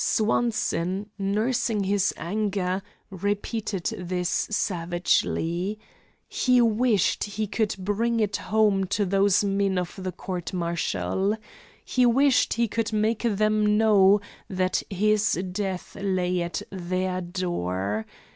Swanson, nursing his anger, repeated this savagely. He wished he could bring it home to those men of the court martial. He wished he could make them know that his death lay at their door.